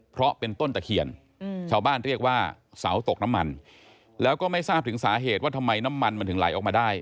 เพราะเป็นต้นตะเคียนชาวบ้านเรียกว่าเสาตกน้ำมันแล้วก็ไม่ทราบถึงสาเหตุว่าทำไมน้ำมันมันถึงไหลออกมาได้